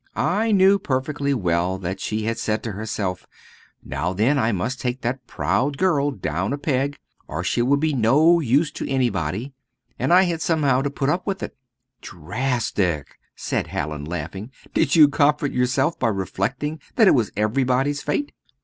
I knew perfectly well that she had said to herself, 'Now then I must take that proud girl down a peg, or she will be no use to anybody;' and I had somehow to put up with it." "Drastic!" said Hallin, laughing; "did you comfort yourself by reflecting that it was everybody's fate?"